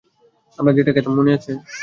আমরা যেটা খেতাম মনে আছে?